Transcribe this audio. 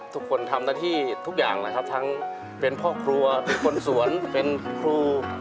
ทุกคนทำหน้าที่ทุกอย่างนะครับทั้งเป็นพ่อครัวเป็นคนสวนเป็นครู